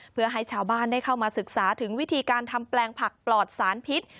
เพื่อให้ชาวบ้านได้เข้ามาศึกษาถึงวิธีการทำแปลงผักปลอดสารพิษ